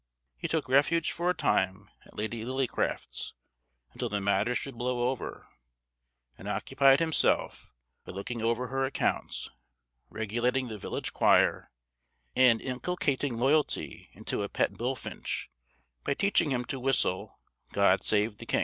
He took refuge for a time at Lady Lillycraft's, until the matter should blow over; and occupied himself by looking over her accounts, regulating the village choir, and inculcating loyalty into a pet bullfinch by teaching him to whistle "God save the King."